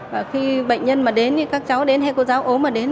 và khi bệnh nhân mà đến thì các cháu đến hay cô giáo ốm mà đến